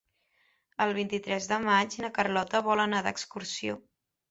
El vint-i-tres de maig na Carlota vol anar d'excursió.